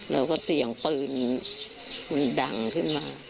แล้วก็เสียงปืนมันดังขึ้นมา